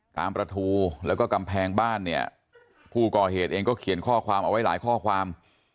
ประทูแล้วก็กำแพงบ้านเนี่ยผู้ก่อเหตุเองก็เขียนข้อความเอาไว้หลายข้อความ